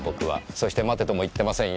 そして待てとも言ってませんよ。